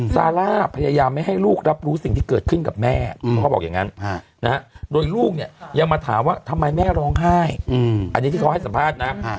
ซาร่าพยายามไม่ให้ลูกรับรู้สิ่งที่เกิดขึ้นกับแม่เขาก็บอกอย่างนั้นโดยลูกเนี่ยยังมาถามว่าทำไมแม่ร้องไห้อันนี้ที่เขาให้สัมภาษณ์นะ